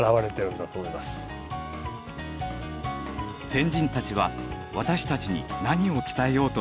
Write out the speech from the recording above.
先人たちは私たちに何を伝えようとしているのか？